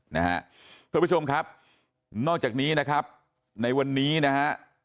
ท่านผู้ชมครับนอกจากนี้นะครับในวันนี้นะฮะ